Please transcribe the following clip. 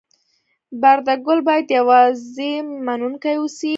برده ګان باید یوازې منونکي اوسي.